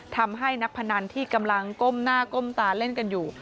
ทำให้นักพนันที่กำลังก้มหน้าก้มตาเล่นกันอยู่